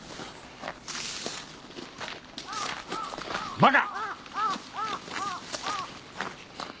バカ！